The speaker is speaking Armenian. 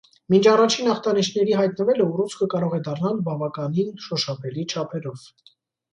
Մինչ առաջին ախտանիշերի հայտնվելը ուռուցքը կարող է դառնալ բավակականին շոշափելի չափերով։